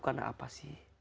karena apa sih